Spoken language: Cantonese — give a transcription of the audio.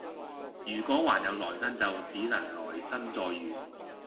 如果還有來生就只能來生再遇